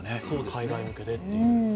海外向けでという。